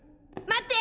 待って！